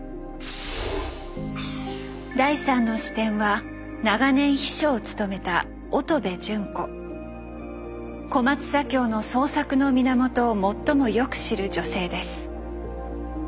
第３の視点は長年秘書を務めた小松左京の創作の源を最もよく知る女性です。